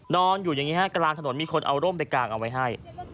นอนอยู่อย่างนี้ฮะกลางถนนมีคนเอาร่มไปกางเอาไว้ให้